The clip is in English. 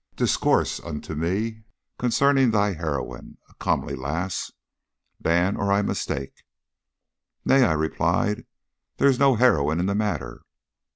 'Discourse unto me concerning thy heroine, a comely lass, Dan, or I mistake.' 'Nay,' I replied, 'there is no heroine in the matter.